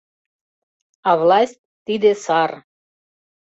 А власть — тиде сар.